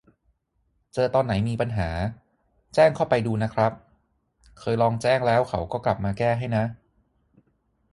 เจอตอนไหนมีปัญหา แจ้งเข้าไปดูนะครับ เคยลองแจ้งแล้วเขาก็กลับมาแก้ให้นะ